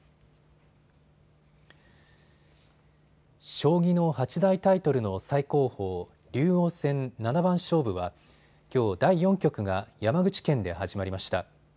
将棋の八大タイトルの最高峰、竜王戦七番勝負はきょう第４局が山口県で始まりました。